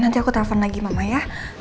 nanti aku telepon lagi mama ya